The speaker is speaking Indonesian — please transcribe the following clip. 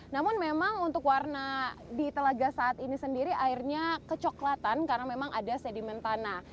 namun memang untuk warna di telaga saat ini sendiri airnya kecoklatan karena memang ada sedimen tanah